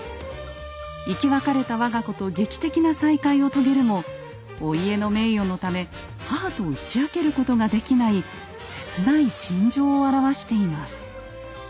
生き別れた我が子と劇的な再会を遂げるもお家の名誉のため母と打ち明けることができない切ない心情を表しています。